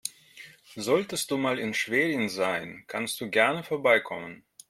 Solltest du mal in Schwerin sein, kannst du gerne vorbeikommen.